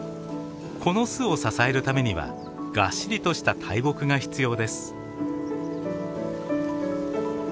この巣を支えるためにはがっしりとした大木が必要です。